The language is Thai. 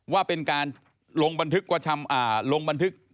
ว่าเป็นการลงบันทึก